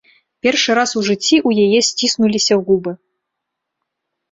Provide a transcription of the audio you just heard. Першы раз у жыцці ў яе сціснуліся губы.